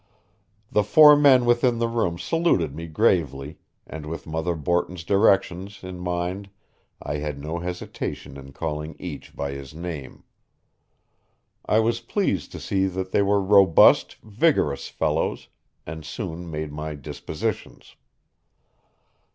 The four men within the room saluted me gravely and with Mother Borton's directions in mind I had no hesitation in calling each by his name. I was pleased to see that they were robust, vigorous fellows, and soon made my dispositions.